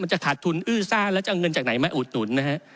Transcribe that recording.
จะขาดทุนอื้อซ่าแล้วจะเอาเงินจากไหนมาอุดหนุนนะฮะ